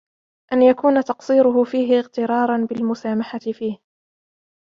أَنْ يَكُونَ تَقْصِيرُهُ فِيهِ اغْتِرَارًا بِالْمُسَامَحَةِ فِيهِ